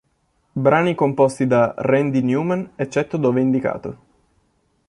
Brani composti da Randy Newman, eccetto dove indicato.